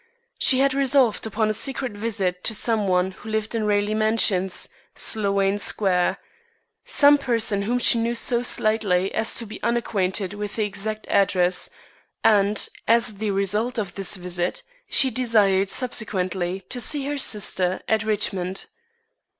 She had resolved upon a secret visit to some one who lived in Raleigh Mansions, Sloane Square some person whom she knew so slightly as to be unacquainted with the exact address, and, as the result of this visit, she desired subsequently to see her sister at Richmond.